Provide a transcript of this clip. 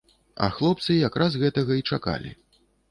А хлопцы як раз гэтага і чакалі.